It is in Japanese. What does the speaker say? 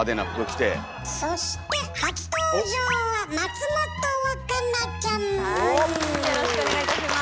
そして初登場ははいよろしくお願いいたします。